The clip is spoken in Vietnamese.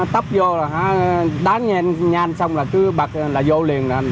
tắp vô là đánh nhanh xong là cứ bật là vô liền